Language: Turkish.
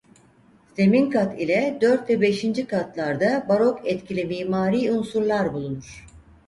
Zemin kat ile dört ve beşinci katlarda barok etkili mimari unsurlar bulunur.